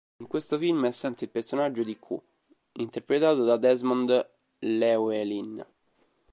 In questo film è assente il personaggio di Q interpretato da Desmond Llewelyn.